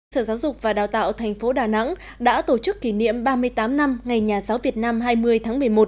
sở giáo dục và đào tạo tp đà nẵng đã tổ chức kỷ niệm ba mươi tám năm ngày nhà giáo việt nam hai mươi tháng một mươi một